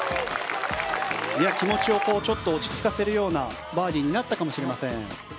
気持ちをちょっと落ち着かせるようなバーディーになったかもしれません。